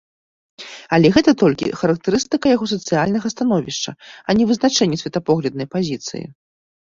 Але гэта толькі характарыстыка яго сацыяльнага становішча, а не вызначэнне светапогляднай пазіцыі.